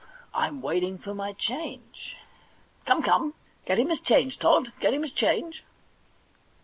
I'm waiting for my change.' * Come, come ; get him his change. Tod ; get him his change.'